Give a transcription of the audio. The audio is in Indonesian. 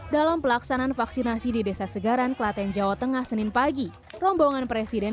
dalam pelaksanaan vaksinasi di desa segaran klaten jawa tengah senin pagi rombongan presiden